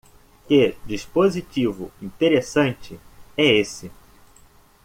Que dispositivo interessante é esse.